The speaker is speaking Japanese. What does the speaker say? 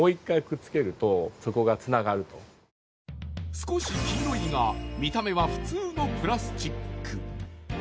少し黄色いが見た目は普通のプラスチック。